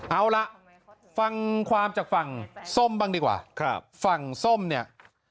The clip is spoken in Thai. เอาล่ะฟังความจากฝั่งส้มบ้างดีกว่าครับฝั่งส้มเนี่ย